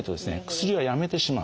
薬をやめてしまう。